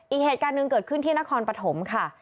อีกเหตุการณ์หนึ่งเกิดขึ้นที่นครปฐมค่ะ